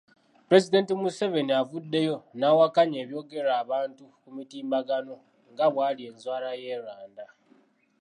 Pulezidenti Museveni avuddeyo n'awakkanya ebyogerwa abantu ku mutimbagano nga bwali enzaalwa y'e Rwanda.